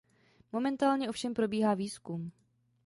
Momentálně ovšem probíhá výzkum.